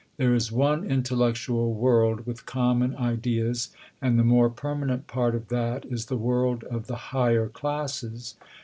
There is one intellectual world with common ideas, and the more permanent part of that is the world of the higher classes.